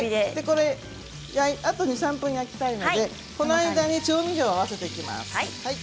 あと２、３分焼きたいのでこの間に調味料を合わせていきます。